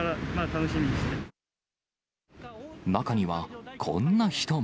中には、こんな人も。